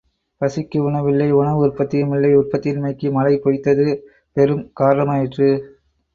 பசிக்கு உணவில்லை உணவு உற்பத்தியும் இல்லை உற்பத்தியின்மைக்கு மழை பொய்த்தது பெரும் காரணமாயிற்று!